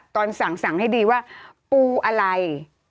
ตอนสั่งให้ดีว่าปูอะไร